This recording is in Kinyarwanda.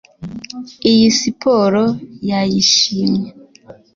Iyi siporo yayishimye